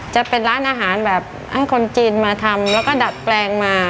จะเป็นร้านอาหารแบบให้คนจีนมาทำแล้วก็ดัดแปลงมา